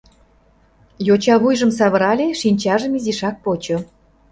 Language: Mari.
Йоча вуйжым савырале, шинчажым изишак почо.